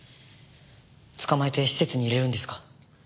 捕まえて施設に入れるんですか？